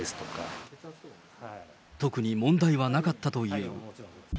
特に問題はなかったという。